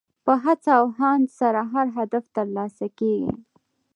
په هڅه او هاند سره هر هدف ترلاسه کېږي.